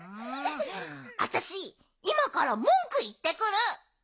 あたしいまからもんくいってくる！